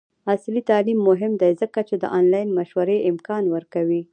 عصري تعلیم مهم دی ځکه چې د آنلاین مشورې امکان ورکوي.